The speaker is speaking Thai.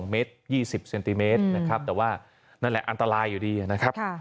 เมตร๒๐เซนติเมตรนะครับแต่ว่านั่นแหละอันตรายอยู่ดีนะครับ